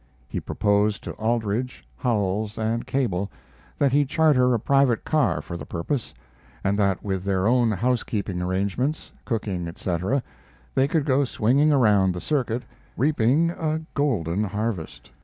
He proposed to Aldrich, Howells, and Cable that he charter a private car for the purpose, and that with their own housekeeping arrangements, cooking, etc., they could go swinging around the circuit, reaping, a golden harvest.